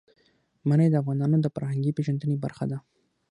منی د افغانانو د فرهنګي پیژندنې برخه ده.